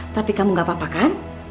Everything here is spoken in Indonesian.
tapi kamu gak apa apa kan